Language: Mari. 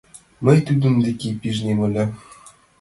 Мый тудын деке пижнем ыле.